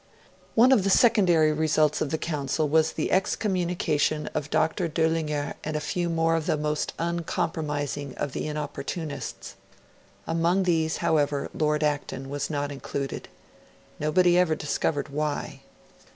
One of the secondary results of the Council was the excommunication of Dr. Dollinger, and a few more of the most uncompromising of the Inopportunists. Among these, however, Lord Acton was not included. Nobody ever discovered why.